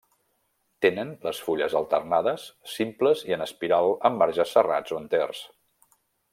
Tenen les fulles alternades, simples i en espiral amb marges serrats o enters.